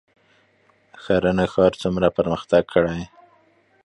شرن ښار څومره پرمختګ کړی؟